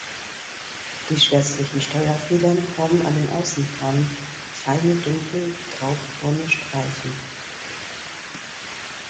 Die schwärzlichen Steuerfedern haben an den Außenfahnen feine dunkel graubraune Streifen.